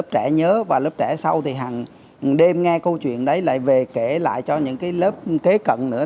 trẻ nhớ và lớp trẻ sau thì hàng đêm nghe câu chuyện đấy lại về kể lại cho những lớp kế cận nữa